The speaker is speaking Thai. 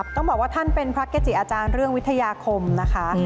ต้องบอกว่าท่านเป็นพระเกจิอาจารย์เรื่องวิทยาคมนะคะ